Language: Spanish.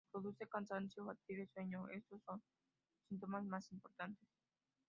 Produce cansancio, fatiga y sueño, estos son los síntomas más importantes.